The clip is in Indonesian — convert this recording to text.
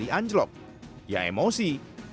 di anjlok yang emosi